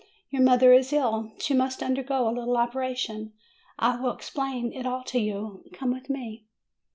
Your mother is ill; she must undergo a little operation; I will explain it all to you: come with me."